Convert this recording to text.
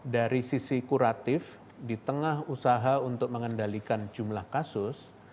dari sisi kuratif di tengah usaha untuk mengendalikan jumlah kasus